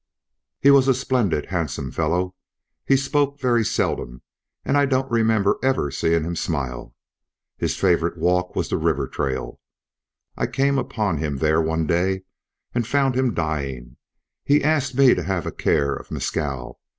He was a splendid, handsome fellow. He spoke very seldom and I don't remember ever seeing him smile. His favorite walk was the river trail. I came upon him there one day, and found him dying. He asked me to have a care of Mescal.